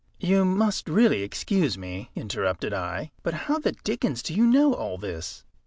"You must really excuse me," interrupted I, "but how the dickens do you know all this?"